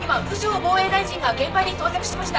防衛大臣が現場に到着しました。